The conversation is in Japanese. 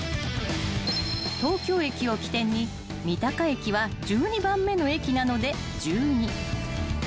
［東京駅を起点に三鷹駅は１２番目の駅なので「１２」］